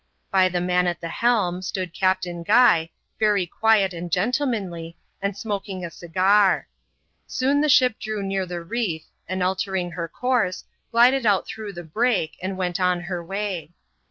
By the man at the helm, gtood Captain Guy, very quiet and gentlemanly, and smoking a cigar. Soon the ship drew near the reef, and altering her eourse, glided out through the break, and went on her way.